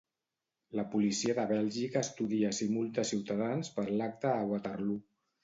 La policia de Bèlgica estudia si multa Ciutadans per l'acte a Waterloo.